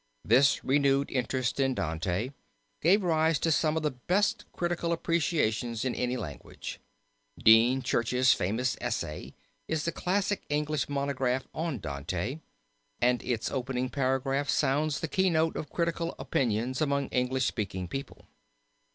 This renewed interest in Dante gave rise to some of the best critical appreciations in any language. Dean Church's famous essay is the classic English monograph on Dante, and its opening paragraph sounds the keynote of critical opinion among English speaking people.